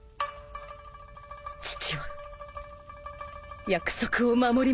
父は約束を守りました。